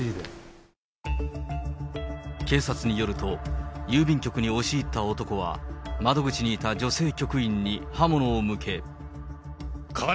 警察によると、郵便局に押し入った男は、窓口にいた女性局員に刃物を向け。